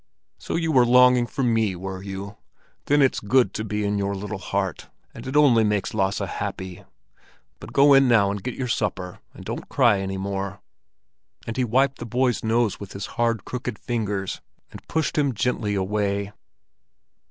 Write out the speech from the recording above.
So you were longing for me, were you? Then it's good to be in your little heart, and it only makes Lasse happy. But go in now and get your supper, and don't cry any more." And he wiped the boy's nose with his hard, crooked fingers, and pushed him gently away.